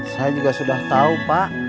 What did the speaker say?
saya juga sudah tahu pak